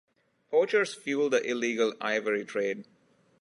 Poachers fuel the illegal ivory trade.